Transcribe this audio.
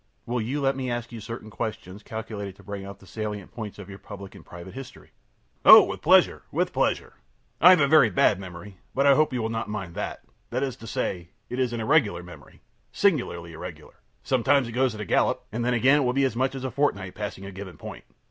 Will you let me ask you certain questions calculated to bring out the salient points of your public and private history?ö ōOh, with pleasure with pleasure. I have a very bad memory, but I hope you will not mind that. That is to say, it is an irregular memory singularly irregular. Sometimes it goes in a gallop, and then again it will be as much as a fortnight passing a given point.